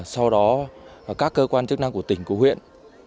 sau đó các cơ quan chức năng của tỉnh của huyện